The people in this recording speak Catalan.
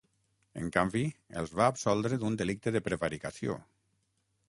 En canvi, els va absoldre d'un delicte de prevaricació.